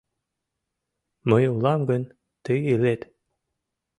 Мый улам гын, тый илет...